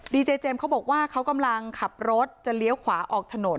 ดีเจเจมส์เขาบอกว่าเขากำลังขับรถจะเลี้ยวขวาออกถนน